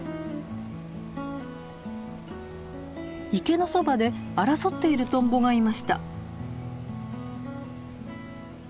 池のそばで争っているトンボがいました。